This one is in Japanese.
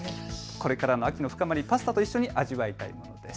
これからの秋の深まり、パスタと一緒に味わいたいです。